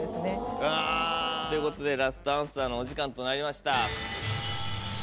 うわ。ということでラストアンサーのお時間となりました。